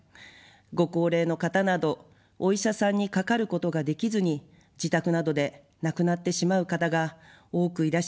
ご高齢の方など、お医者さんにかかることができずに自宅などで亡くなってしまう方が多くいらっしゃいました。